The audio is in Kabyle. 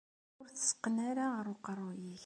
Ur t-tteqqen ara ɣer uqerruy-ik.